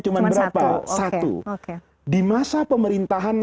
cuma berapa satu di masa pemerintahan